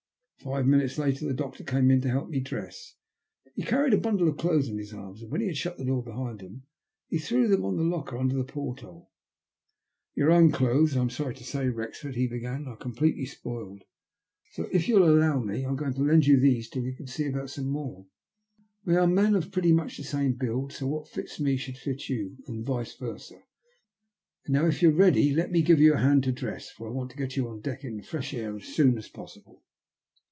Five minutes later the doctor came in to help me dress. He carried a bundle of clothes in his arms, and when he had shut the door behind him he threw them on the locker under the porthole. " Your own clothes, I'm sorry to say, Wrexford," he began, "are completely spoiled; so if you'll allow 182 THE LUST OF HATB. xne, I'm going to lend yon these till yon can see about some more. We are men of pretty much the same build, so what fits me should fit you, and vice vend. Now, if you're ready, let me give you a hand to dress, for I want to get you on deck into the fresh air as soon as possible."